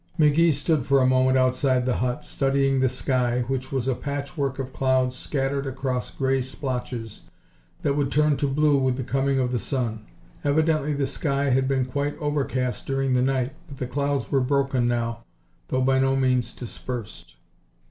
McGee stood for a moment outside the hut, studying the sky, which was a patchwork of clouds scattered across grey splotches that would turn to blue with the coming of the sun. Evidently the sky had been quite overcast during the night, but the clouds were broken now, though by no means dispersed.